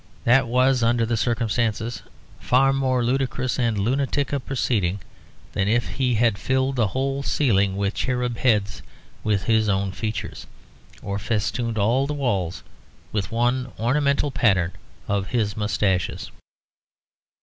That was, under the circumstances, far more ludicrous and lunatic a proceeding than if he had filled the whole ceiling with cherub heads with his own features, or festooned all the walls with one ornamental pattern of his moustaches.